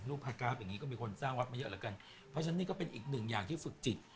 ภากราฟอย่างงี้ก็มีคนสร้างวัดมาเยอะแล้วกันเพราะฉะนั้นนี่ก็เป็นอีกหนึ่งอย่างที่ฝึกจิต